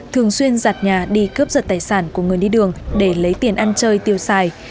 thường xuyên giặt nhà đi cướp giật tài sản của người đi đường để lấy tiền ăn chơi tiêu xài